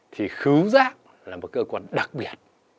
thì khứ giác là một cơ quan đặc biệt